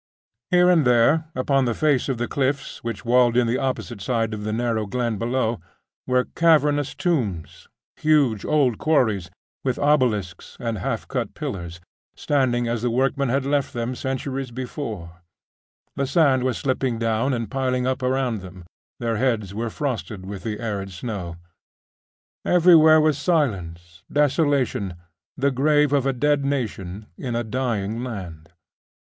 Here and there, upon the face of the cliffs which walled in the opposite side of the narrow glen below, were cavernous tombs, huge old quarries, with obelisks and half cut pillars, standing as the workmen had left them centuries before; the sand was slipping down and piling up around them, their heads were frosted with the arid snow; everywhere was silence, desolation the grave of a dead nation, in a dying land.